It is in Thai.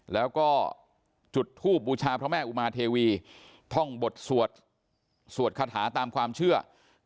แล้วก็จุดทูบบูชาพระแม่อุมาเทวีท่องบทสวดสวดคาถาตามความเชื่อ